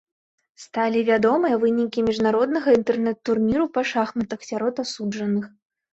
Сталі вядомыя вынікі міжнароднага інтэрнэт-турніру па шахматах сярод асуджаных.